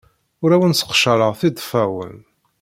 Ur awen-sseqcareɣ tiḍeffa-nwen.